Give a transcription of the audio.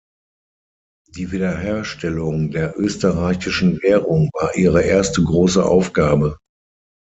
Die Wiederherstellung der österreichischen Währung war ihre erste große Aufgabe.